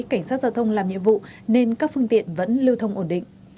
cảnh sát giao thông làm nhiệm vụ nên các phương tiện vẫn lưu thông ổn định